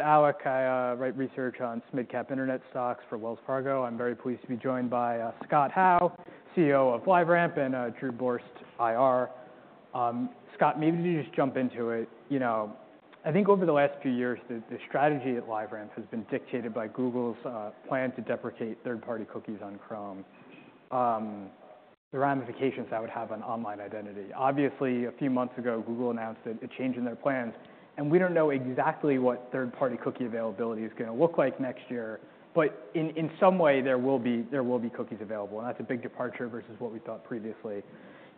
Our research on mid-cap internet stocks for Wells Fargo. I'm very pleased to be joined by Scott Howe, CEO of LiveRamp; and Drew Borst, IR. Scott, maybe you just jump into it. I think over the last few years, the strategy at LiveRamp has been dictated by Google's plan to deprecate third-party cookies on Chrome, the ramifications that would have on online identity. Obviously, a few months ago, Google announced a change in their plans, and we don't know exactly what third-party cookie availability is going to look like next year, but in some way, there will be cookies available, and that's a big departure versus what we thought previously.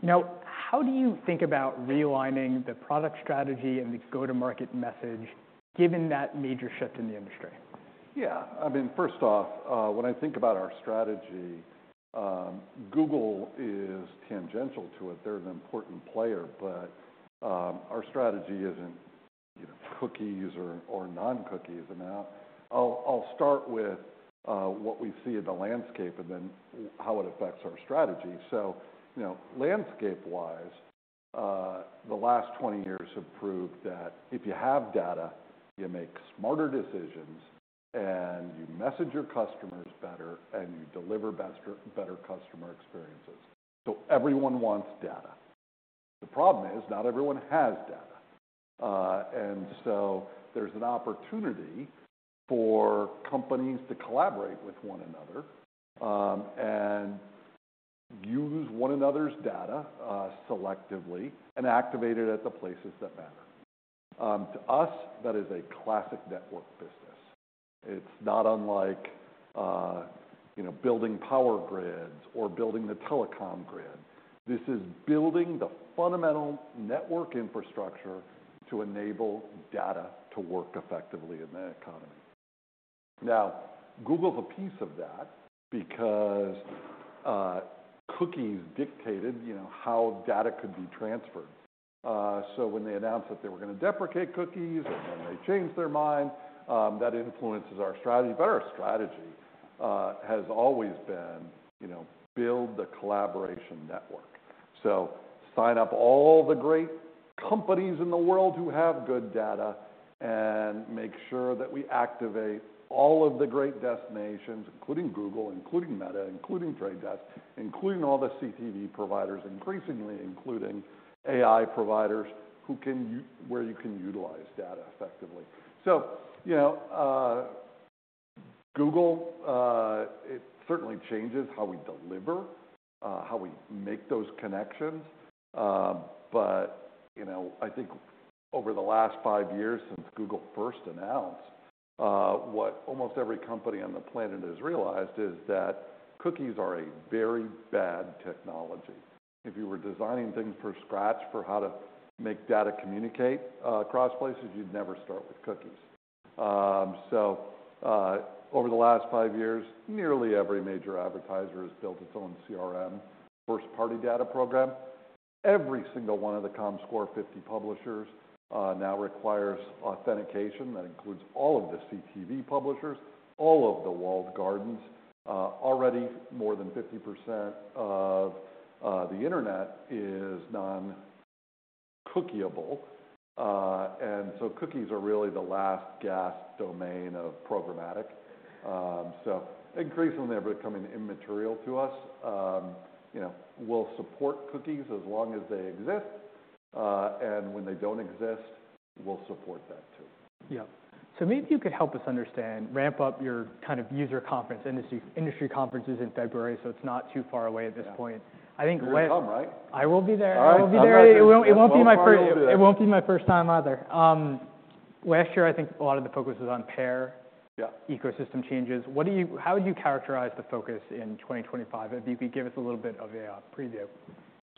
How do you think about realigning the product strategy and the go-to-market message, given that major shift in the industry? Yeah. I mean, first off, when I think about our strategy, Google is tangential to it. They're an important player. But our strategy isn't cookies or non-cookies. And I'll start with what we see in the landscape and then how it affects our strategy. So landscape-wise, the last 20 years have proved that if you have data, you make smarter decisions, and you message your customers better, and you deliver better customer experiences. So everyone wants data. The problem is not everyone has data. And so there's an opportunity for companies to collaborate with one another and use one another's data selectively and activate it at the places that matter. To us, that is a classic network business. It's not unlike building power grids or building the telecom grid. This is building the fundamental network infrastructure to enable data to work effectively in the economy. Now, Google's a piece of that because cookies dictated how data could be transferred. So when they announced that they were going to deprecate cookies, and then they changed their mind, that influences our strategy. But our strategy has always been build the collaboration network. So sign up all the great companies in the world who have good data and make sure that we activate all of the great destinations, including Google, including Meta, including Trade Desk, including all the CTV providers, increasingly including AI providers where you can utilize data effectively. So Google certainly changes how we deliver, how we make those connections. But I think over the last five years since Google first announced, what almost every company on the planet has realized is that cookies are a very bad technology. If you were designing things from scratch for how to make data communicate across places, you'd never start with cookies. So over the last five years, nearly every major advertiser has built its own CRM, first-party data program. Every single one of the Comscore 50 publishers now requires authentication that includes all of the CTV publishers, all of the walled gardens. Already, more than 50% of the internet is non-cookieable. And so cookies are really the last gasp domain of programmatic. So increasingly, they're becoming immaterial to us. We'll support cookies as long as they exist. And when they don't exist, we'll support that too. Yeah. So maybe you could help us understand RampUp, your kind of user conference, industry conferences in February. So it's not too far away at this point. I think. We'll come, right? I will be there. It won't be my first. I will be there. It won't be my first time either. Last year, I think a lot of the focus was on PAIR ecosystem changes. How would you characterize the focus in 2025? If you could give us a little bit of a preview.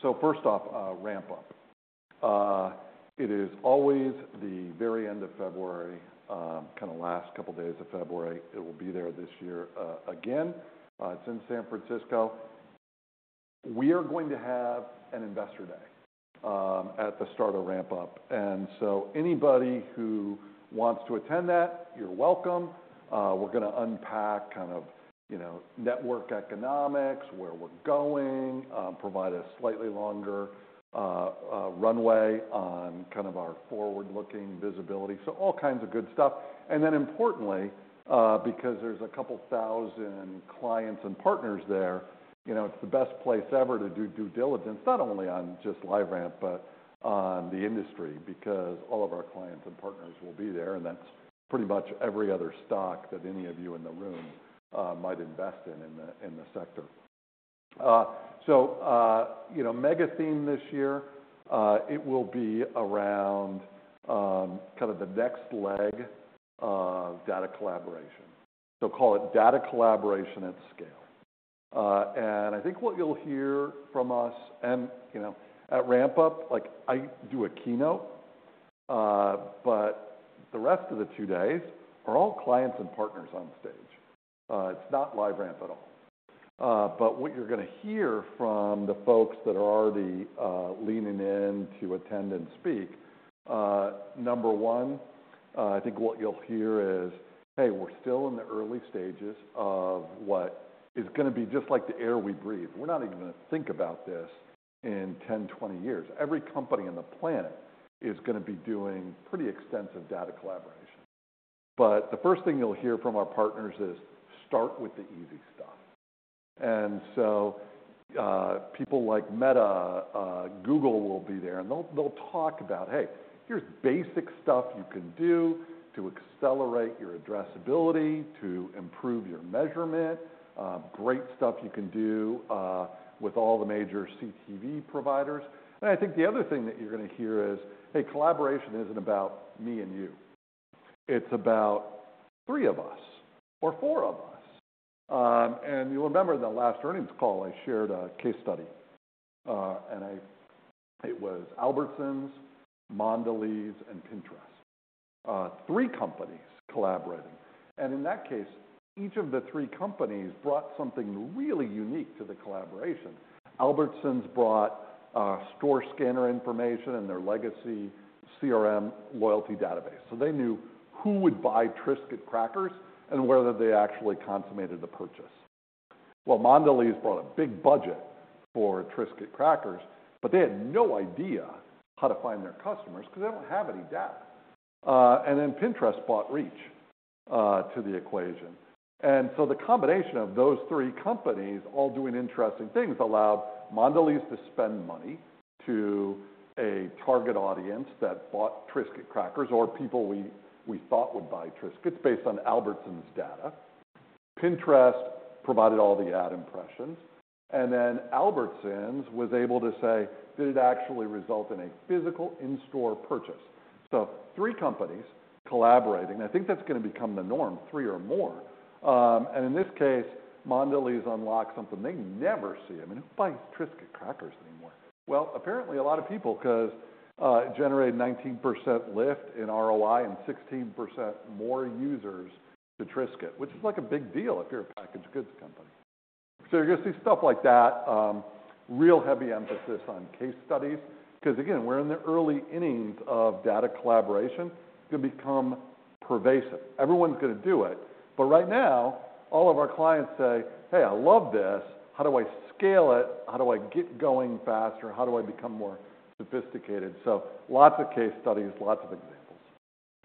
So, first off, RampUp. It is always the very end of February, kind of last couple of days of February. It will be there this year again. It's in San Francisco. We are going to have an Investor Day at the start of RampUp. And so anybody who wants to attend that, you're welcome. We're going to unpack kind of network economics, where we're going, provide a slightly longer runway on kind of our forward-looking visibility. So all kinds of good stuff. And then importantly, because there's a couple thousand clients and partners there, it's the best place ever to do due diligence, not only on just LiveRamp, but on the industry, because all of our clients and partners will be there. And that's pretty much every other stock that any of you in the room might invest in in the sector. So, mega theme this year, it will be around kind of the next leg data collaboration. So, call it data collaboration at scale. And I think what you'll hear from us at RampUp, I do a keynote. But the rest of the two days are all clients and partners on stage. It's not LiveRamp at all. But what you're going to hear from the folks that are already leaning in to attend and speak, number one, I think what you'll hear is, hey, we're still in the early stages of what is going to be just like the air we breathe. We're not even going to think about this in 10, 20 years. Every company on the planet is going to be doing pretty extensive data collaboration. But the first thing you'll hear from our partners is start with the easy stuff. People like Meta, Google will be there. They'll talk about, hey, here's basic stuff you can do to accelerate your addressability, to improve your measurement, great stuff you can do with all the major CTV providers. I think the other thing that you're going to hear is, hey, collaboration isn't about me and you. It's about three of us or four of us. You'll remember the last earnings call, I shared a case study. It was Albertsons, Mondelēz, and Pinterest, three companies collaborating. In that case, each of the three companies brought something really unique to the collaboration. Albertsons brought store scanner information and their legacy CRM loyalty database. They knew who would buy Triscuit crackers and whether they actually consummated the purchase. Mondelēz brought a big budget for Triscuit crackers, but they had no idea how to find their customers because they don't have any data. Pinterest brought reach to the equation. The combination of those three companies all doing interesting things allowed Mondelēz to spend money to target an audience that bought Triscuit crackers or people we thought would buy Triscuit based on Albertsons' data. Pinterest provided all the ad impressions. Albertsons was able to say, did it actually result in a physical in-store purchase? Three companies collaborating. I think that's going to become the norm, three or more. In this case, Mondelēz unlocked something they never see. I mean, who buys Triscuit crackers anymore? Apparently, a lot of people because it generated 19% lift in ROI and 16% more users to Triscuit, which is like a big deal if you're a packaged goods company. You're going to see stuff like that, real heavy emphasis on case studies. Because again, we're in the early innings of data collaboration going to become pervasive. Everyone's going to do it but right now, all of our clients say, hey, I love this. How do I scale it? How do I get going faster? How do I become more sophisticated? Lots of case studies, lots of examples.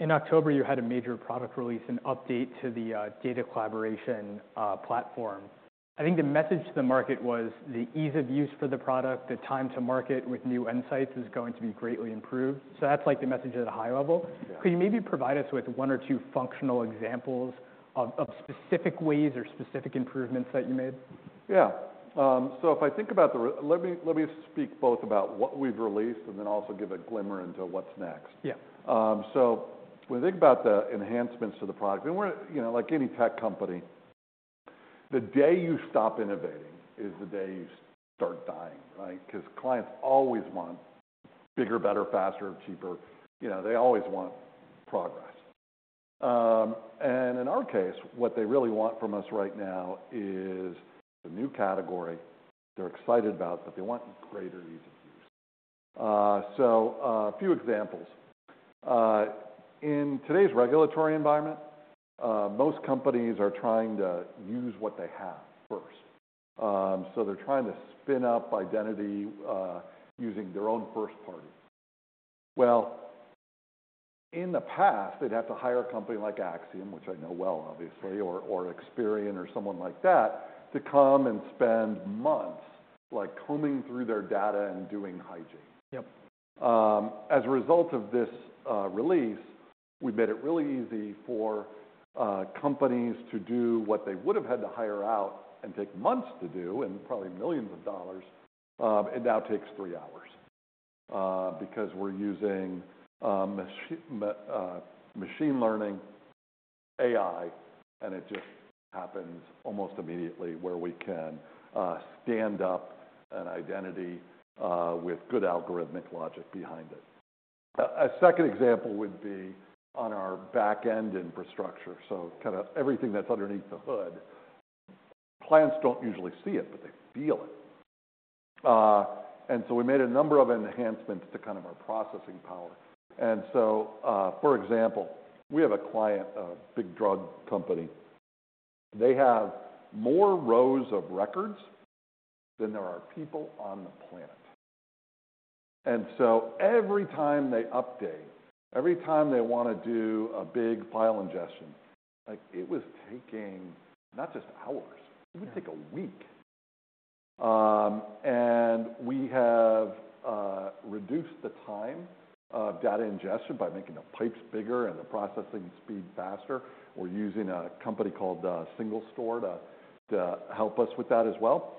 In October, you had a major product release and update to the data collaboration platform. I think the message to the market was the ease of use for the product, the time to market with new insights is going to be greatly improved, so that's like the message at a high level. Could you maybe provide us with one or two functional examples of specific ways or specific improvements that you made? Yeah. So if I think about, let me speak both about what we've released and then also give a glimmer into what's next. So when you think about the enhancements to the product, like any tech company, the day you stop innovating is the day you start dying, right? Because clients always want bigger, better, faster, cheaper. They always want progress. And in our case, what they really want from us right now is a new category they're excited about, but they want greater ease of use. So a few examples. In today's regulatory environment, most companies are trying to use what they have first. So they're trying to spin up identity using their own first party. In the past, they'd have to hire a company like Acxiom, which I know well, obviously, or Experian or someone like that to come and spend months combing through their data and doing hygiene. As a result of this release, we made it really easy for companies to do what they would have had to hire out and take months to do and probably millions of dollars. It now takes three hours because we're using machine learning, AI, and it just happens almost immediately where we can stand up an identity with good algorithmic logic behind it. A second example would be on our back-end infrastructure. Kind of everything that's underneath the hood, clients don't usually see it, but they feel it. We made a number of enhancements to kind of our processing power. For example, we have a client, a big drug company. They have more rows of records than there are people on the planet, and so every time they update, every time they want to do a big file ingestion, it was taking not just hours. It would take a week, and we have reduced the time of data ingestion by making the pipes bigger and the processing speed faster. We're using a company called SingleStore to help us with that as well.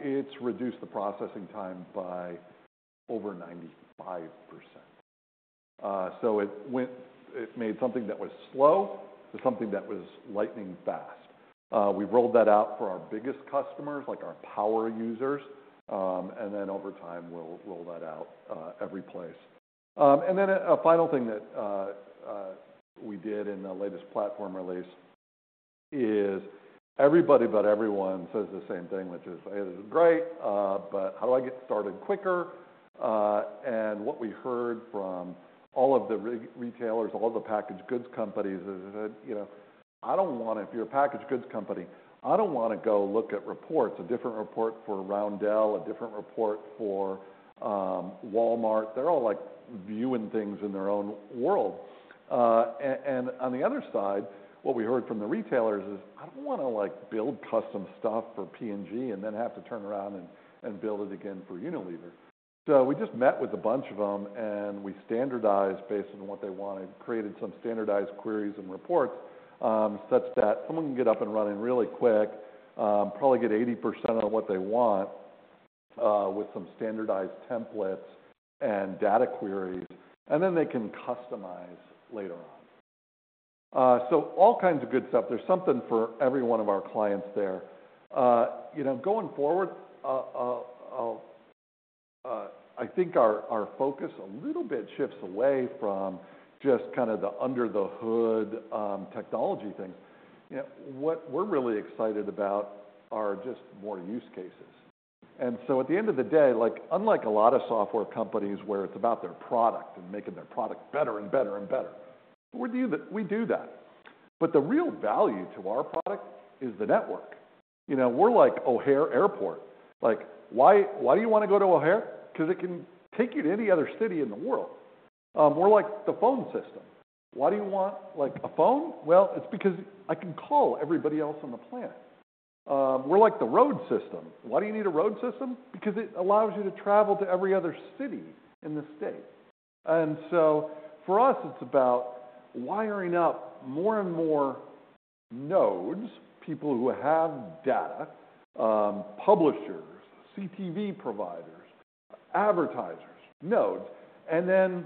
It's reduced the processing time by over 95%, so it made something that was slow to something that was lightning fast. We've rolled that out for our biggest customers, like our power users, and then over time, we'll roll that out every place, and then a final thing that we did in the latest platform release is everybody but everyone says the same thing, which is, it is great, but how do I get started quicker? What we heard from all of the retailers, all of the packaged goods companies is that I don't want to, if you're a packaged goods company, I don't want to go look at reports, a different report for Roundel, a different report for Walmart. They're all viewing things in their own world. And on the other side, what we heard from the retailers is, I don't want to build custom stuff for P&G and then have to turn around and build it again for Unilever. So we just met with a bunch of them, and we standardized based on what they wanted, created some standardized queries and reports such that someone can get up and running really quick, probably get 80% of what they want with some standardized templates and data queries, and then they can customize later on. So all kinds of good stuff. There's something for every one of our clients there. Going forward, I think our focus a little bit shifts away from just kind of the under-the-hood technology things. What we're really excited about are just more use cases, and so at the end of the day, unlike a lot of software companies where it's about their product and making their product better and better and better, we do that, but the real value to our product is the network. We're like O'Hare Airport. Why do you want to go to O'Hare? Because it can take you to any other city in the world. We're like the phone system. Why do you want a phone, well, it's because I can call everybody else on the planet. We're like the road system. Why do you need a road system? Because it allows you to travel to every other city in the state. And so, for us, it's about wiring up more and more nodes, people who have data, publishers, CTV providers, advertisers, nodes, and then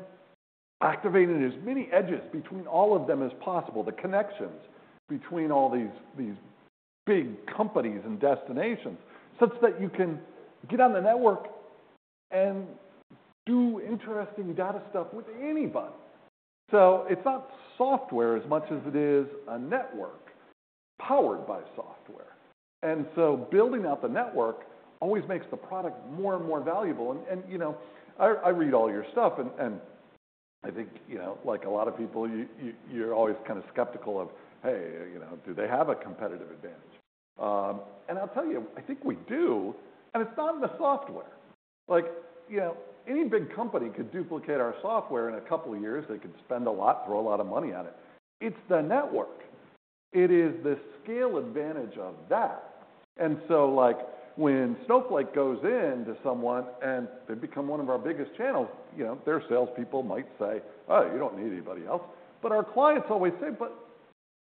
activating as many edges between all of them as possible, the connections between all these big companies and destinations such that you can get on the network and do interesting data stuff with anybody. So it's not software as much as it is a network powered by software. And so building out the network always makes the product more and more valuable. And I read all your stuff, and I think like a lot of people, you're always kind of skeptical of, hey, do they have a competitive advantage? And I'll tell you, I think we do. And it's not in the software. Any big company could duplicate our software in a couple of years. They could spend a lot, throw a lot of money at it. It's the network. It is the scale advantage of that. And so when Snowflake goes into someone and they become one of our biggest channels, their salespeople might say, oh, you don't need anybody else. But our clients always say, but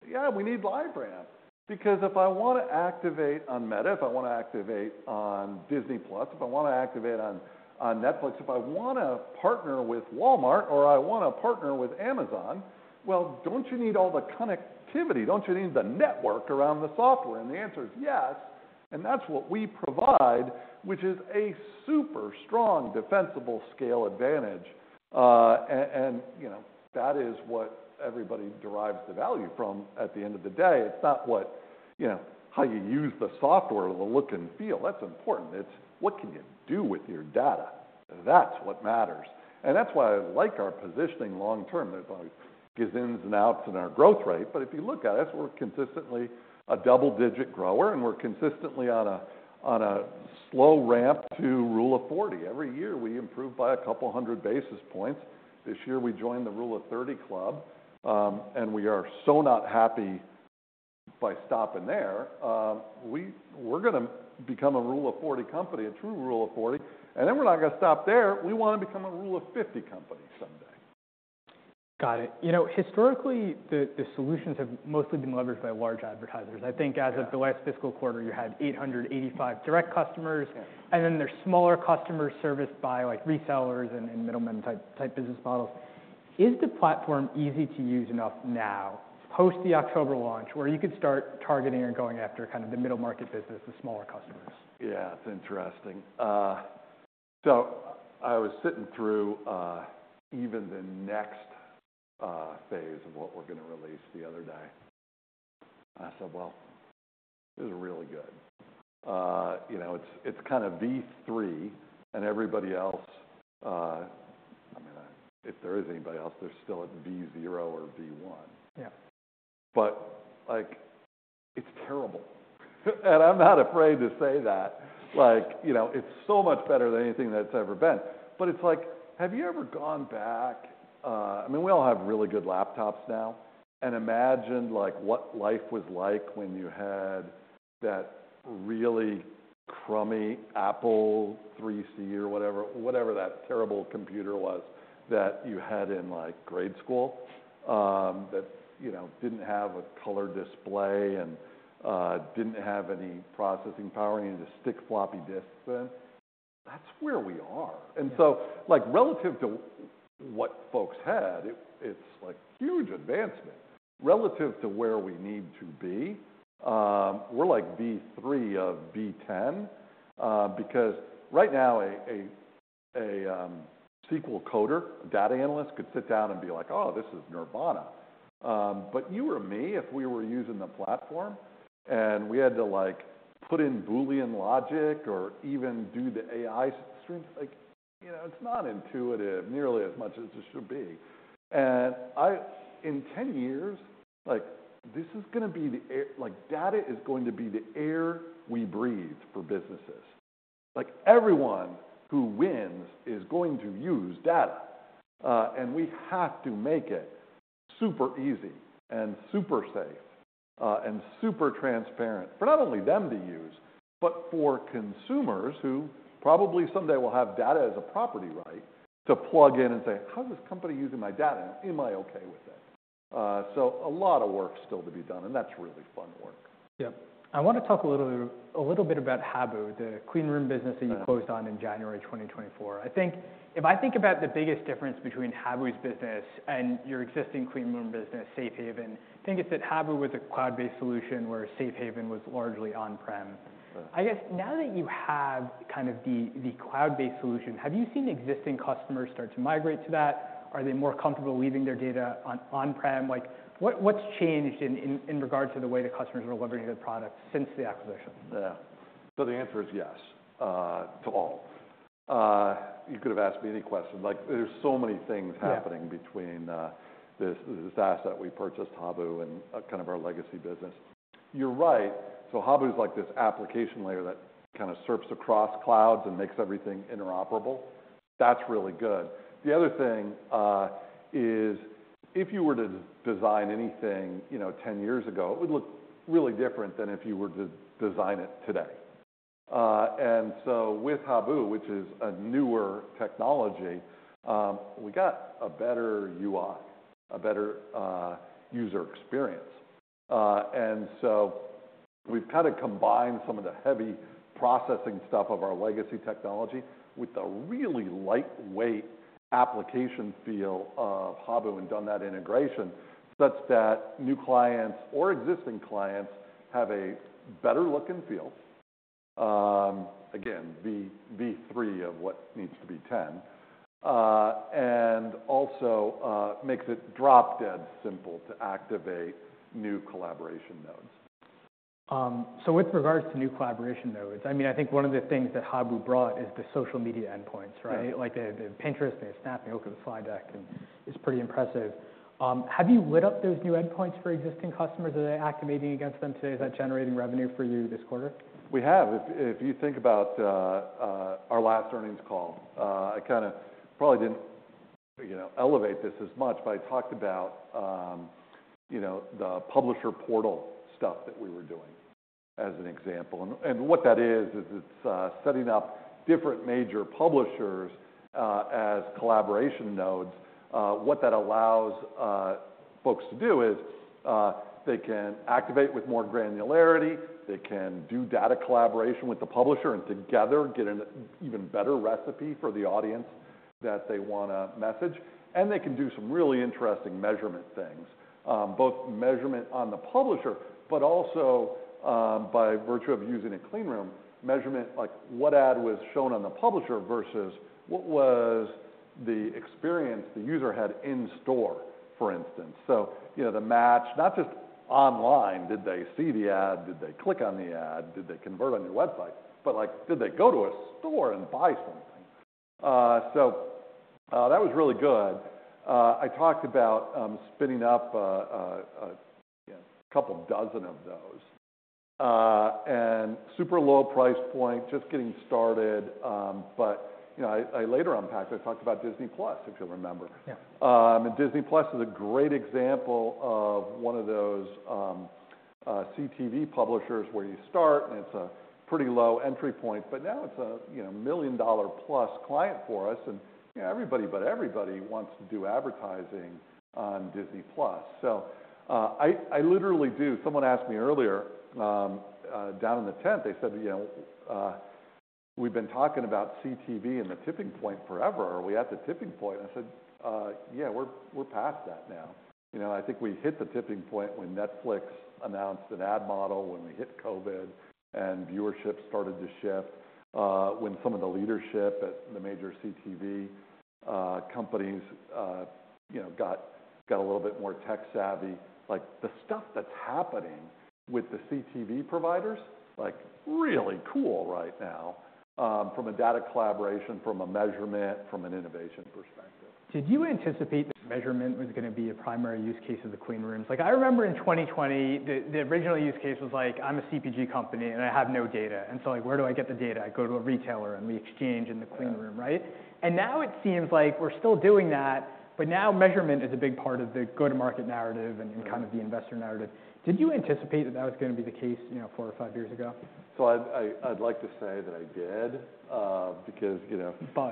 yeah, we need LiveRamp. Because if I want to activate on Meta, if I want to activate on Disney+, if I want to activate on Netflix, if I want to partner with Walmart or I want to partner with Amazon, well, don't you need all the connectivity? Don't you need the network around the software? And the answer is yes. And that's what we provide, which is a super strong defensible scale advantage. And that is what everybody derives the value from at the end of the day. It's not how you use the software or the look and feel. That's important. It's what can you do with your data? That's what matters. And that's why I like our positioning long term. There's always ups and downs in our growth rate. But if you look at us, we're consistently a double-digit grower, and we're consistently on a slow ramp to Rule of 40. Every year, we improve by a couple hundred basis points. This year, we joined the Rule of 30 club, and we are so not happy by stopping there. We're going to become a Rule of 40 company, a true Rule of 40. And then we're not going to stop there. We want to become a Rule of 50 company someday. Got it. You know, historically, the solutions have mostly been leveraged by large advertisers. I think as of the last fiscal quarter, you had 885 direct customers, and then there's smaller customers serviced by resellers and middlemen type business models. Is the platform easy to use enough now post the October launch where you could start targeting or going after kind of the middle market business, the smaller customers? Yeah, it's interesting. So I was sitting through even the next phase of what we're going to release the other day. I said, well, this is really good. It's kind of V3, and everybody else, I mean, if there is anybody else, they're still at V0 or V1, but it's terrible. And I'm not afraid to say that. It's so much better than anything that's ever been, but it's like, have you ever gone back? I mean, we all have really good laptops now. Imagine what life was like when you had that really crummy Apple IIc or whatever, whatever that terrible computer was that you had in grade school that didn't have a color display and didn't have any processing power, and you had to stick floppy disks in. That's where we are, and so relative to what folks had, it's like huge advancement. Relative to where we need to be, we're like V3 of V10 because right now, a SQL coder, data analyst could sit down and be like, oh, this is nirvana. But you or me, if we were using the platform and we had to put in Boolean logic or even do the AI streams, it's not intuitive nearly as much as it should be. And in 10 years, this is going to be the data is going to be the air we breathe for businesses. Everyone who wins is going to use data. And we have to make it super easy and super safe and super transparent for not only them to use, but for consumers who probably someday will have data as a property right to plug in and say, how's this company using my data? Am I okay with it? A lot of work still to be done, and that's really fun work. Yep. I want to talk a little bit about Habu, the clean room business that you closed on in January 2024. I think if I think about the biggest difference between Habu's business and your existing clean room business, Safe Haven, I think it's that Habu was a cloud-based solution where Safe Haven was largely on-prem. I guess now that you have kind of the cloud-based solution, have you seen existing customers start to migrate to that? Are they more comfortable leaving their data on-prem? What's changed in regard to the way the customers are delivering the product since the acquisition? Yeah. So the answer is yes to all. You could have asked me any question. There's so many things happening between this asset we purchased, Habu, and kind of our legacy business. You're right. So Habu's like this application layer that kind of surfs across clouds and makes everything interoperable. That's really good. The other thing is if you were to design anything 10 years ago, it would look really different than if you were to design it today. And so with Habu, which is a newer technology, we got a better UI, a better user experience. And so we've kind of combined some of the heavy processing stuff of our legacy technology with a really lightweight application feel of Habu and done that integration such that new clients or existing clients have a better look and feel. Again, V3 of what needs to be 10. It also makes it drop-dead simple to activate new collaboration nodes. So with regards to new collaboration nodes, I mean, I think one of the things that Habu brought is the social media endpoints, right? Like the Pinterest, the Snap, the Slide Deck, and it's pretty impressive. Have you lit up those new endpoints for existing customers? Are they activating against them today? Is that generating revenue for you this quarter? We have. If you think about our last earnings call, I kind of probably didn't elevate this as much, but I talked about the publisher portal stuff that we were doing as an example. And what that is, is it's setting up different major publishers as collaboration nodes. What that allows folks to do is they can activate with more granularity. They can do data collaboration with the publisher and together get an even better recipe for the audience that they want to message. And they can do some really interesting measurement things, both measurement on the publisher, but also by virtue of using a clean room, measurement like what ad was shown on the publisher versus what was the experience the user had in store, for instance. So the match, not just online, did they see the ad? Did they click on the ad? Did they convert on your website? But did they go to a store and buy something? So that was really good. I talked about spinning up a couple dozen of those and super low price point, just getting started. But I later unpacked. I talked about Disney+, if you'll remember. And Disney+ is a great example of one of those CTV publishers where you start, and it's a pretty low entry point, but now it's a $1+ million client for us. And everybody but everybody wants to do advertising on Disney+. So I literally do. Someone asked me earlier down in the tent, they said, "We've been talking about CTV and the tipping point forever. Are we at the tipping point?" I said, "Yeah, we're past that now. I think we hit the tipping point when Netflix announced an ad model, when we hit COVID and viewership started to shift, when some of the leadership at the major CTV companies got a little bit more tech-savvy. The stuff that's happening with the CTV providers is really cool right now from a data collaboration, from a measurement, from an innovation perspective. Did you anticipate that measurement was going to be a primary use case of the clean rooms? I remember in 2020, the original use case was like, I'm a CPG company and I have no data. And so where do I get the data? I go to a retailer and we exchange in the clean room, right? And now it seems like we're still doing that, but now measurement is a big part of the go-to-market narrative and kind of the investor narrative. Did you anticipate that that was going to be the case four or five years ago? So I'd like to say that I did because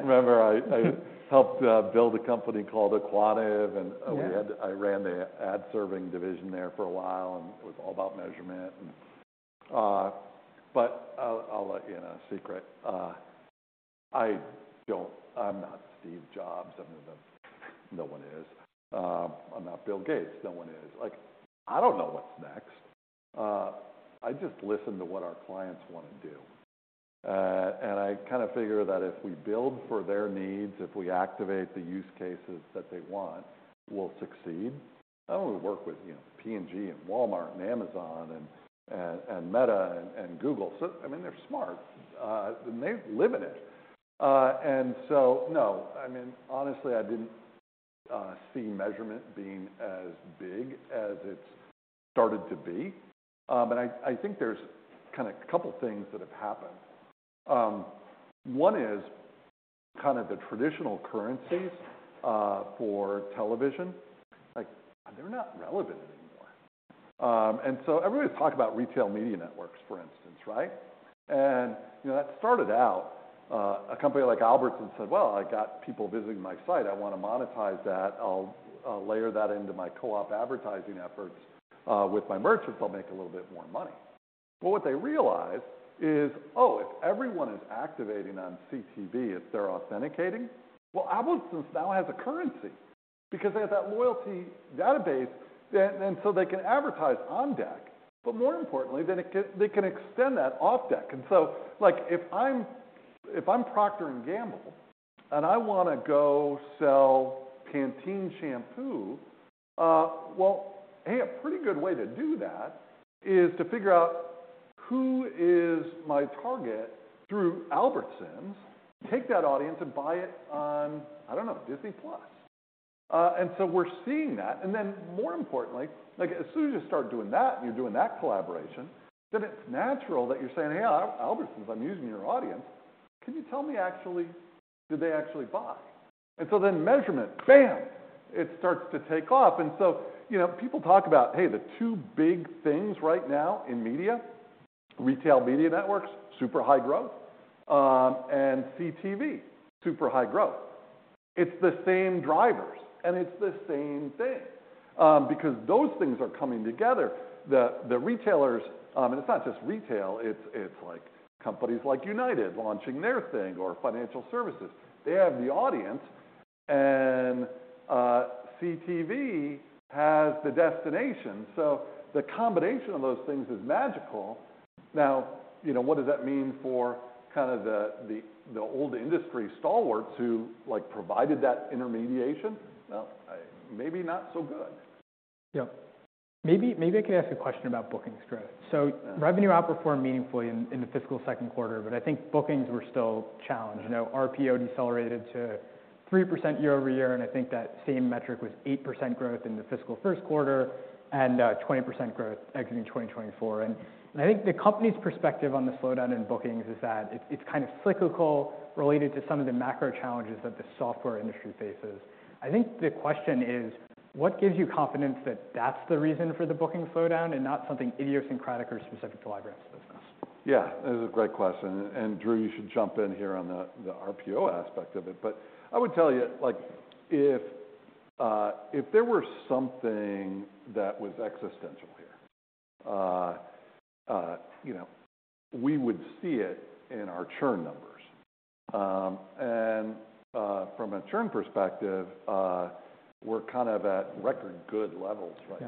remember I helped build a company called aQuantive, and I ran the ad-serving division there for a while, and it was all about measurement. But I'll let you in on a secret. I'm not Steve Jobs. No one is. I'm not Bill Gates. No one is. I don't know what's next. I just listen to what our clients want to do. And I kind of figure that if we build for their needs, if we activate the use cases that they want, we'll succeed. I mean, we work with P&G and Walmart and Amazon and Meta and Google. So I mean, they're smart and they live in it. And so no, I mean, honestly, I didn't see measurement being as big as it's started to be. But I think there's kind of a couple of things that have happened. One is kind of the traditional currencies for television, they're not relevant anymore. And so everybody's talking about retail media networks, for instance, right? And that started out a company like Albertsons said, well, I got people visiting my site. I want to monetize that. I'll layer that into my co-op advertising efforts with my merchants. I'll make a little bit more money. But what they realized is, oh, if everyone is activating on CTV, if they're authenticating, well, Albertsons now has a currency because they have that loyalty database, and so they can advertise on deck. But more importantly, they can extend that off deck. And so if I'm Procter & Gamble and I want to go sell Pantene shampoo, well, hey, a pretty good way to do that is to figure out who is my target through Albertsons, take that audience and buy it on, I don't know, Disney+. And so we're seeing that. And then more importantly, as soon as you start doing that and you're doing that collaboration, then it's natural that you're saying, hey, Albertsons, I'm using your audience. Can you tell me actually, did they actually buy? And so then measurement, bam, it starts to take off. And so people talk about, hey, the two big things right now in media, retail media networks, super high growth, and CTV, super high growth. It's the same drivers, and it's the same thing because those things are coming together. The retailers, and it's not just retail, it's companies like United launching their thing or financial services. They have the audience, and CTV has the destination, so the combination of those things is magical. Now, what does that mean for kind of the old industry stalwarts who provided that intermediation, well, maybe not so good. Yep. Maybe I could ask a question about bookings growth. So revenue outperformed meaningfully in the fiscal second quarter, but I think bookings were still challenged. RPO decelerated to 3% year-over-year, and I think that same metric was 8% growth in the fiscal first quarter and 20% growth exiting 2024. And I think the company's perspective on the slowdown in bookings is that it's kind of cyclical related to some of the macro challenges that the software industry faces. I think the question is, what gives you confidence that that's the reason for the booking slowdown and not something idiosyncratic or specific to LiveRamp's business? Yeah, that's a great question, and Drew, you should jump in here on the RPO aspect of it. But I would tell you, if there were something that was existential here, we would see it in our churn numbers. And from a churn perspective, we're kind of at record good levels right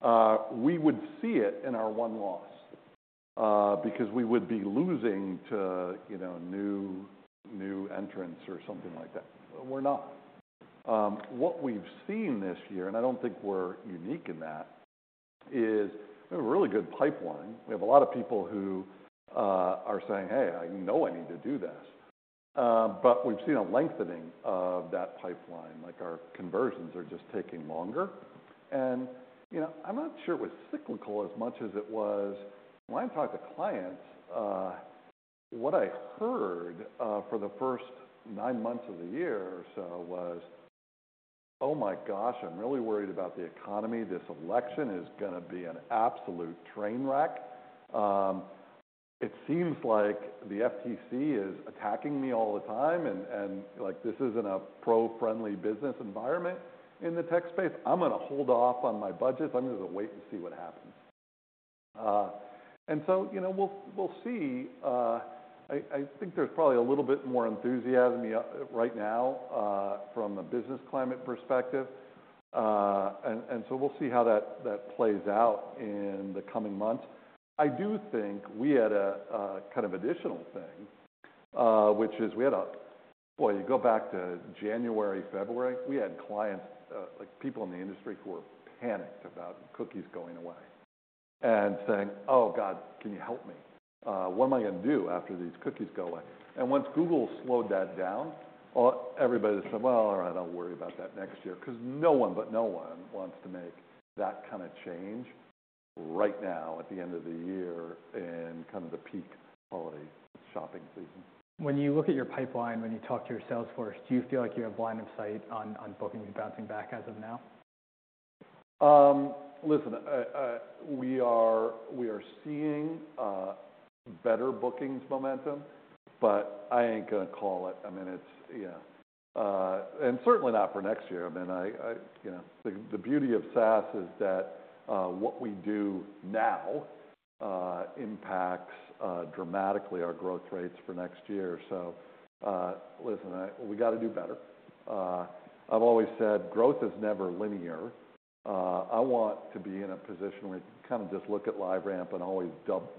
now. We would see it in our net loss because we would be losing to new entrants or something like that. We're not. What we've seen this year, and I don't think we're unique in that, is we have a really good pipeline. We have a lot of people who are saying, hey, I know I need to do this. But we've seen a lengthening of that pipeline. Our conversions are just taking longer, and I'm not sure it was cyclical as much as it was. When I talked to clients, what I heard for the first nine months of the year or so was, oh my gosh, I'm really worried about the economy. This election is going to be an absolute train wreck. It seems like the FTC is attacking me all the time, and this isn't a pro-friendly business environment in the tech space. I'm going to hold off on my budgets. I'm going to wait and see what happens. And so we'll see. I think there's probably a little bit more enthusiasm right now from a business climate perspective. And so we'll see how that plays out in the coming months. I do think we had a kind of additional thing, which is we had a, boy, you go back to January, February, we had clients, people in the industry who were panicked about cookies going away and saying, "Oh God, can you help me? What am I going to do after these cookies go away?" And once Google slowed that down, everybody said, "Well, all right, I'll worry about that next year" because no one but no one wants to make that kind of change right now at the end of the year in kind of the peak quality shopping season. When you look at your pipeline, when you talk to your sales force, do you feel like you have line of sight on bookings bouncing back as of now? Listen, we are seeing better bookings momentum, but I ain't going to call it. I mean, it's yeah. And certainly not for next year. I mean, the beauty of SaaS is that what we do now impacts dramatically our growth rates for next year. So listen, we got to do better. I've always said growth is never linear. I want to be in a position where you can kind of just look at LiveRamp and always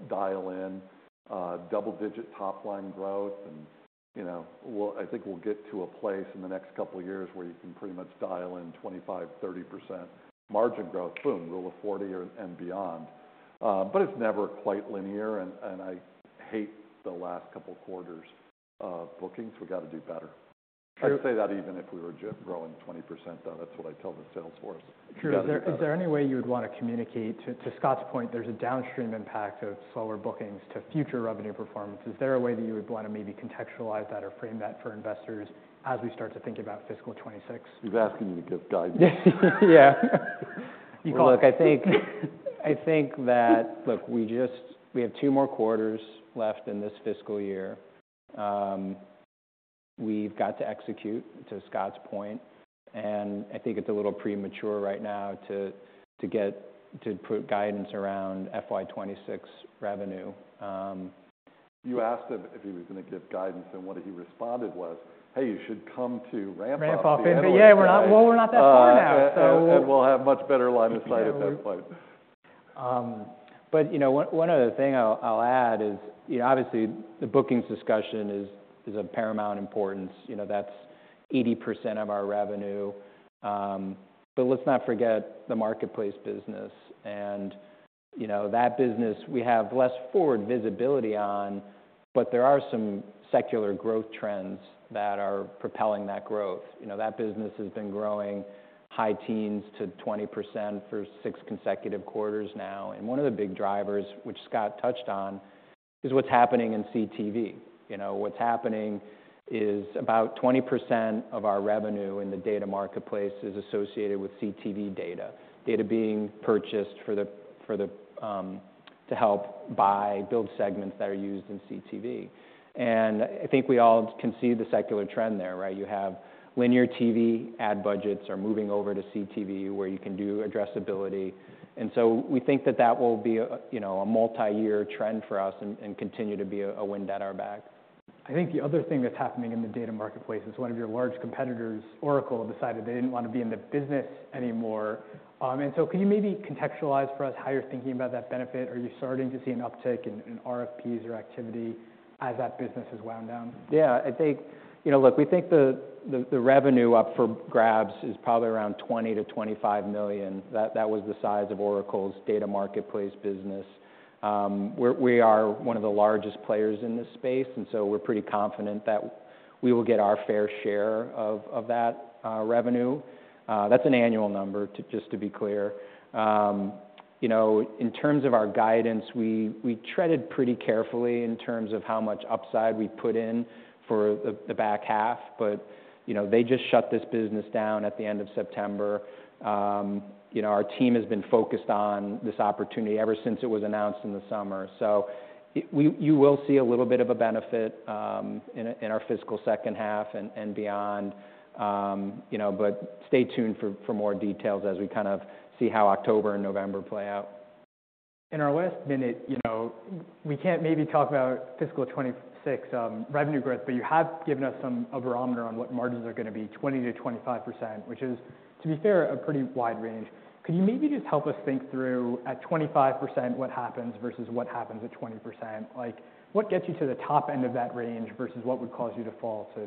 dial in double-digit top-line growth. And I think we'll get to a place in the next couple of years where you can pretty much dial in 25%-30% margin growth, boom, Rule of 40 and beyond. But it's never quite linear, and I hate the last couple of quarters of bookings. We got to do better. I'd say that even if we were growing 20%, that's what I tell the sales force. Drew, is there any way you would want to communicate to Scott's point? There's a downstream impact of slower bookings to future revenue performance. Is there a way that you would want to maybe contextualize that or frame that for investors as we start to think about fiscal 2026? He's asking you to give guidance. Yeah. You call it. Look, I think that we have two more quarters left in this fiscal year. We've got to execute to Scott's point, and I think it's a little premature right now to put guidance around FY26 revenue. You asked him if he was going to give guidance, and what he responded was, "Hey, you should come to RampUp. RampUp. Yeah, well, we're not that far now. We'll have much better line of sight at that point. But one other thing I'll add is, obviously, the bookings discussion is of paramount importance. That's 80% of our revenue. But let's not forget the marketplace business. And that business, we have less forward visibility on, but there are some secular growth trends that are propelling that growth. That business has been growing high teens to 20% for six consecutive quarters now. And one of the big drivers, which Scott touched on, is what's happening in CTV. What's happening is about 20% of our revenue in the data marketplace is associated with CTV data, data being purchased to help buy build segments that are used in CTV. And I think we all can see the secular trend there, right? You have linear TV ad budgets are moving over to CTV where you can do addressability. We think that that will be a multi-year trend for us and continue to be a wind at our back. I think the other thing that's happening in the data marketplace is one of your large competitors, Oracle, decided they didn't want to be in the business anymore. And so could you maybe contextualize for us how you're thinking about that benefit? Are you starting to see an uptick in RFP user activity as that business has wound down? Yeah. I think, look, we think the revenue up for grabs is probably around $20 million-$25 million. That was the size of Oracle's data marketplace business. We are one of the largest players in this space, and so we're pretty confident that we will get our fair share of that revenue. That's an annual number, just to be clear. In terms of our guidance, we treaded pretty carefully in terms of how much upside we put in for the back half, but they just shut this business down at the end of September. Our team has been focused on this opportunity ever since it was announced in the summer, so you will see a little bit of a benefit in our fiscal second half and beyond, but stay tuned for more details as we kind of see how October and November play out. In our last minute, we can't maybe talk about fiscal 2026 revenue growth, but you have given us a barometer on what margins are going to be 20%-25%, which is, to be fair, a pretty wide range. Could you maybe just help us think through at 25% what happens versus what happens at 20%? What gets you to the top end of that range versus what would cause you to fall to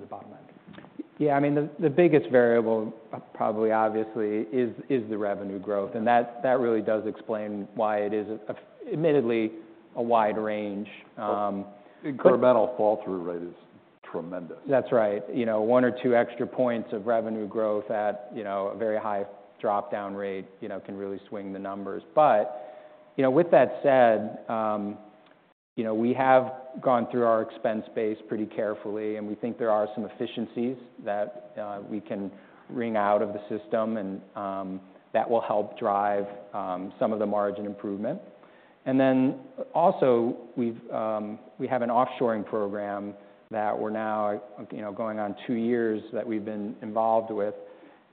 the bottom end? Yeah, I mean, the biggest variable probably obviously is the revenue growth, and that really does explain why it is admittedly a wide range. The incremental fall through rate is tremendous. That's right. One or two extra points of revenue growth at a very high dropdownrate can really swing the numbers. But with that said, we have gone through our expense base pretty carefully, and we think there are some efficiencies that we can wring out of the system, and that will help drive some of the margin improvement. And then also, we have an offshoring program that we're now going on two years that we've been involved with,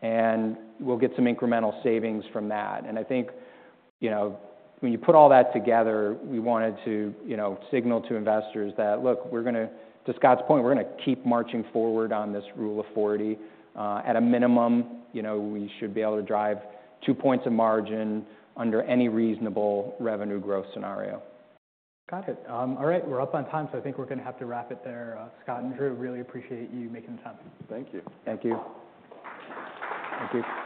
and we'll get some incremental savings from that. And I think when you put all that together, we wanted to signal to investors that, look, to Scott's point, we're going to keep marching forward on this Rule of 40. At a minimum, we should be able to drive two points of margin under any reasonable revenue growth scenario. Got it. All right. We're up on time, so I think we're going to have to wrap it there. Scott and Drew, really appreciate you making the time. Thank you. Thank you. Thank you.